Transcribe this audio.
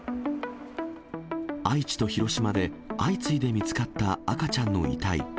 愛知と広島で相次いで見つかった赤ちゃんの遺体。